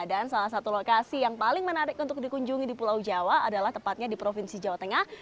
dan salah satu lokasi yang paling menarik untuk dikunjungi di pulau jawa adalah tepatnya di provinsi jawa tengah